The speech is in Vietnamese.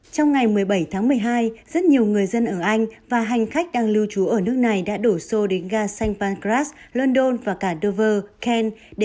trong ngày một mươi bảy tháng một mươi hai rất nhiều người dân ở anh và hành khách đang lưu trú ở nước này đã đổ xô đến ga sanh pancras london và cả novo keny